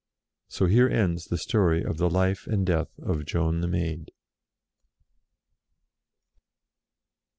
So here ends the story of the Life and Death of Joan the Maid.